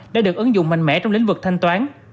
đã được ứng dụng mạnh mẽ trong lĩnh vực thanh toán